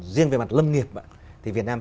riêng về mặt lâm nghiệp thì việt nam